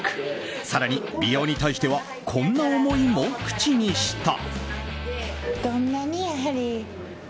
更に、美容に対してはこんな思いも口にした。